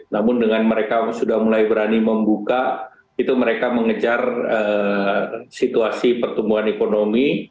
namun dengan mereka sudah mulai berani membuka itu mereka mengejar situasi pertumbuhan ekonomi